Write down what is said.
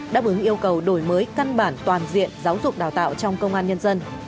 đáp ứng yêu cầu đổi mới căn bản toàn diện giáo dục đào tạo trong công an nhân dân